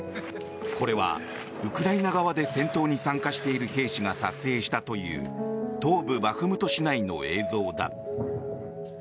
これはウクライナ側で戦闘に参加している兵士が撮影したという東部バフムト市内の映像だ。